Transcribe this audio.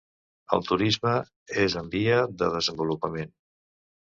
El turisme és en via de desenvolupament.